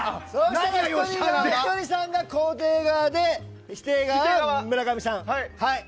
ひとりさんが肯定側で否定側は村上さん。